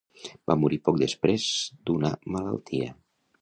Va morir poc de temps després d'una malaltia.